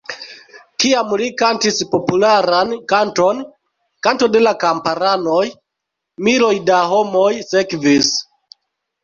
Kiam li kantis popularan kanton 'Kanto de la Kamparanoj', miloj da homoj sekvis.